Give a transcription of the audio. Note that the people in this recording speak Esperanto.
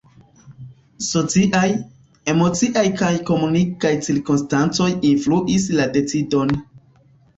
Sociaj, emociaj kaj komunikaj cirkonstancoj influis la decidon.